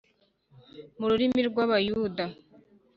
mu rurimi rw’Abayuda,